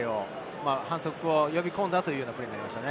反則を呼び込んだというプレーになりました。